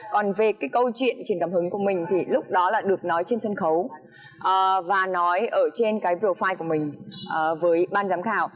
còn về cái câu chuyện truyền cảm hứng của mình thì lúc đó là được nói trên sân khấu và nói ở trên cái vừa file của mình với ban giám khảo